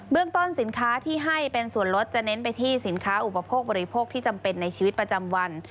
เรื่องต้นสินค้าที่ให้เป็นส่วนลดจะเน้นไปที่สินค้าอุปโภคบริโภคที่จำเป็นในชีวิตประจำวัน